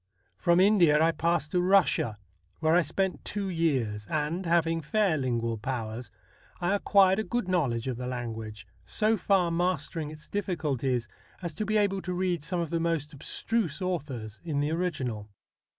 From India I passed to Russia, where I spent two years, and, having fair lingual powers, I acquired a good knowledge of the language, so far mastering its diffi culties as to be able to read some of the most abstruse authors in the original.